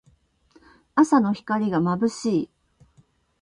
朝の光がまぶしい。